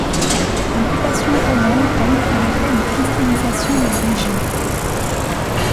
L'occupation romaine a eu pour effet une christianisation de la région.